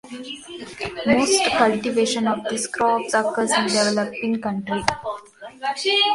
Most cultivation of these crops occurs in developing countries.